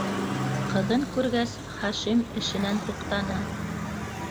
Ҡыҙын күргәс, Хашим эшенән туҡтаны.